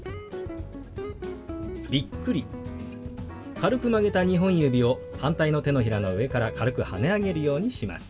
軽く曲げた２本指を反対の手のひらの上から軽くはね上げるようにします。